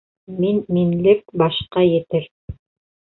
Мин-минлек башҡа етер.